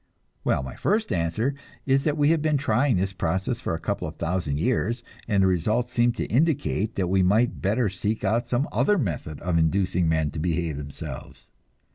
Well, my first answer is that we have been trying this process for a couple of thousand years, and the results seem to indicate that we might better seek out some other method of inducing men to behave themselves.